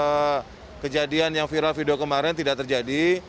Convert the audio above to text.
dan hari ini alhamdulillah kejadian yang viral video kemarin tidak terjadi